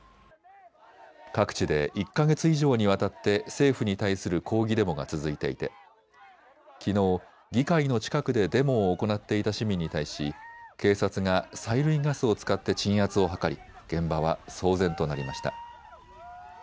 各地で１か月以上にわたって政府に対する抗議デモが続いていてきのう議会の近くでデモを行っていた市民に対し警察が催涙ガスを使って鎮圧を図り現場は騒然となりました。